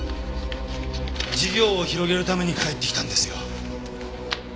事業を広げるために帰ってきたんですよ。